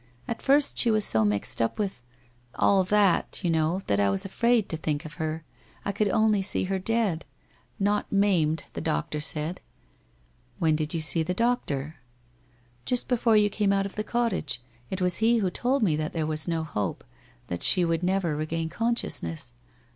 At first, she was so mixed up with — all iliat, you know, that I was afraid to think of her. I could only see her dead. Not maimed, the doctor said so '* When did you see the doctor?' ' Just before you came out of the cottage. It was he who told me that there was no hope, that she would never regain consciousness.